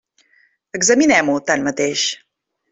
Examinem-ho, tanmateix.